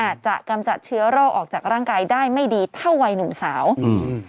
อาจจะกำจัดเชื้อโรคออกจากร่างกายได้ไม่ดีเท่าวัยหนุ่มสาวอืม